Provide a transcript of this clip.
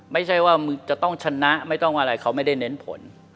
ไม่ใช่ว่ามึงจะต้องชนะไม่ต้องอะไรเขาไม่ได้เน้นผล